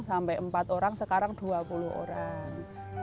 sampai empat orang sekarang dua puluh orang